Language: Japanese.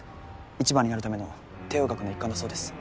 １番になるための帝王学の一環だそうです。